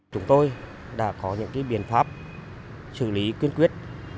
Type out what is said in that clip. chúng tôi đã có những biện pháp xử lý kiên quyết